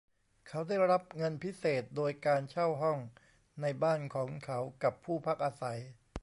เขาได้รับเงินพิเศษโดยการเช่าห้องในบ้านของเขากับผู้พักอาศัย